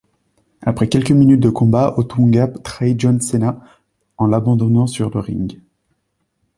Après quelques minutes de combat Otunga trahit John Cena en l'abandonnant sur le ring.